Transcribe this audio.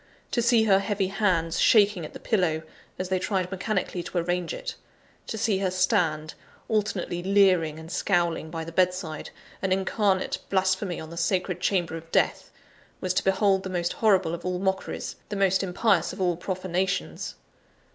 To see her heavy hands shaking at the pillow, as they tried mechanically to arrange it; to see her stand, alternately leering and scowling by the bedside, an incarnate blasphemy in the sacred chamber of death, was to behold the most horrible of all mockeries, the most impious of all profanations.